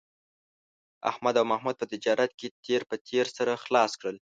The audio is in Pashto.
احمد او محمود په تجارت کې تېر په تېر سره خلاص کړل